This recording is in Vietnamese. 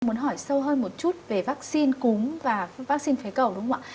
mình muốn hỏi sâu hơn một chút về vắc xin cúng và vắc xin phế cầu đúng không ạ